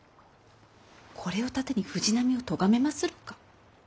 これを盾に藤波をとがめまするか？